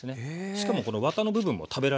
しかもこのワタの部分も食べられますから。